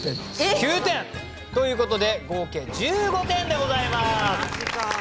９点！ということで合計１５点でございます。